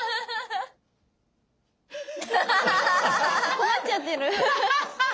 困っちゃってる。